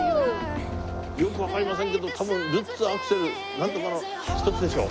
よくわかりませんけど多分ルッツアクセルなんとかの一つでしょう。